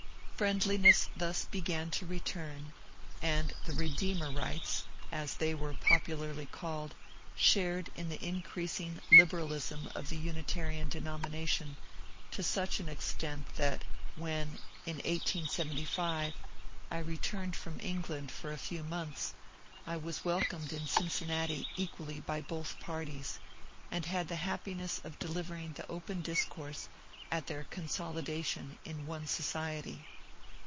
Friendliness thus began to return, and the Redeemerites," as they were popularly called, shared in the increasing liberalism of the Unitarian denomination to such an extent that when, in 1875, 1 returned from England for a few months, I was welcomed in Cincinnati equally by both parties, and had the happiness of delivering the opening discourse at their consolidation in one society.